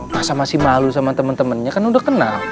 masa masih malu sama temen temennya kan udah kenal